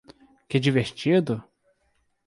Que divertido?